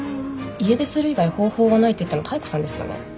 家出する以外方法はないって言ったの妙子さんですよね？